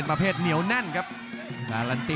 รับทราบบรรดาศักดิ์